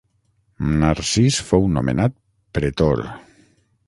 Narcís fou nomenat pretor.